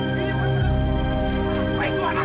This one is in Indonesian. di buka jari